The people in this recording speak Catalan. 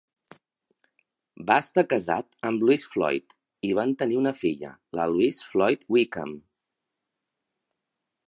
Va estar casat amb Louise Floyd i van tenir una filla, la Louise Floyd Wickham.